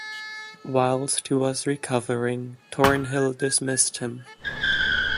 Whilst he was recovering, Thornhill dismissed him.